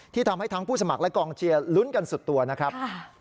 ทำให้ทั้งผู้สมัครและกองเชียร์ลุ้นกันสุดตัวนะครับ